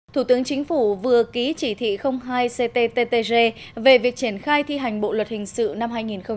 thủ tướng chính phủ vừa ký chỉ thị hai cttg về việc triển khai thi hành bộ luật hình sự năm hai nghìn một mươi năm